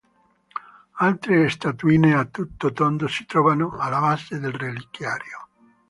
Altre statuine a tutto tondo si trovano alla base del reliquiario.